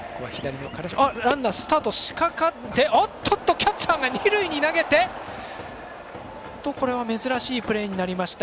キャッチャーが二塁に投げてこれは珍しいプレーになりました。